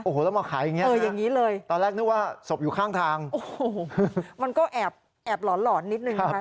โอ้โหแล้วมาขายอย่างนี้นะตอนแรกนึกว่าศพอยู่ข้างทางโอ้โหมันก็แอบหลอนนิดนึงนะคะ